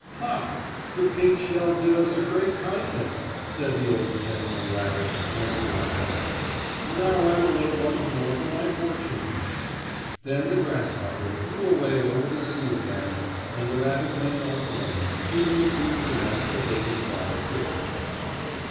"Ha! The pink shell did us a great kindness," said the old gentleman rabbit, as he hopped out. "Now I will look once more for my fortune." Then the grasshopper flew away over the sea again and the rabbit went on alone, eating a few peanuts the baby crab had given him.